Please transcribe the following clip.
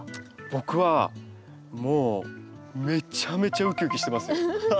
僕はもうめちゃめちゃウキウキしてます。